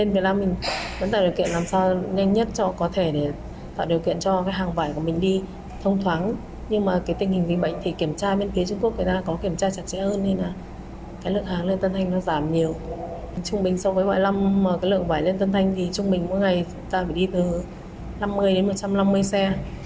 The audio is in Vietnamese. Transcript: trung bình so với mỗi năm lượng vải lên tân thanh thì trung bình mỗi ngày chúng ta phải đi từ năm mươi đến một trăm năm mươi xe